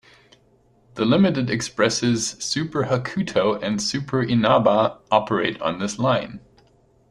The limited expresses "Super Hakuto" and "Super Inaba" operate on this line.